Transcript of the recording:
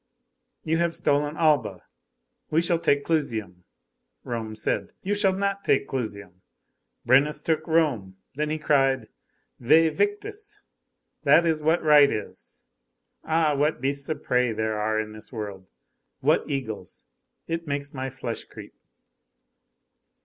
You have stolen Alba, we shall take Clusium.' Rome said: 'You shall not take Clusium.' Brennus took Rome. Then he cried: 'Væ victis!' That is what right is. Ah! what beasts of prey there are in this world! What eagles! It makes my flesh creep."